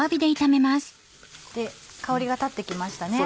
香りが立って来ました。